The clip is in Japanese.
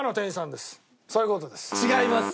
違います。